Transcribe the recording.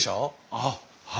ああはい。